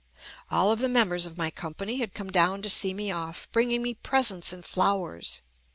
All of the members of my company had come down to see me off, bringing me presents and flowers.